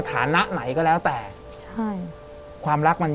แต่ขอให้เรียนจบปริญญาตรีก่อน